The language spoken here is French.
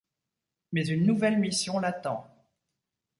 Mais une nouvelle mission l'attend.